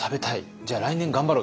じゃあ来年頑張ろう。